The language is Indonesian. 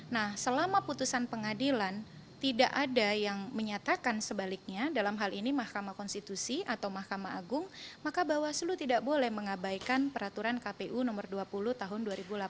nah selama putusan pengadilan tidak ada yang menyatakan sebaliknya dalam hal ini mahkamah konstitusi atau mahkamah agung maka bawaslu tidak boleh mengabaikan peraturan kpu nomor dua puluh tahun dua ribu delapan belas